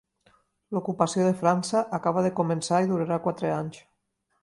L'ocupació de França acaba de començar, i durarà quatre anys.